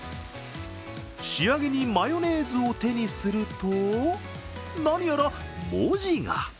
仕上げにマヨネーズを手にすると何やら文字が。